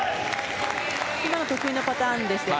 今のは得意のパターンですよね。